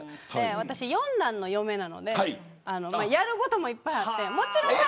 私、四男の嫁なのでやることもいっぱいあって。